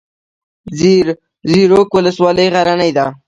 زیروک ولسوالۍ غرنۍ ده؟